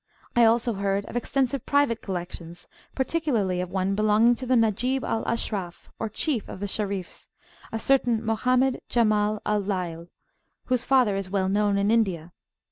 I also heard of extensive private collections, particularly of one belonging to the Najib al Ashraf, or chief of the Sharifs, a certain Mohammed Jamal al Layl, whose father is well known in India.